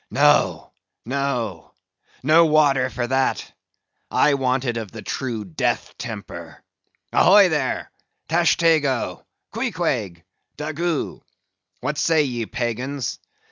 "No, no—no water for that; I want it of the true death temper. Ahoy, there! Tashtego, Queequeg, Daggoo! What say ye, pagans!